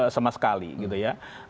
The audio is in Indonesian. sama sekali gitu ya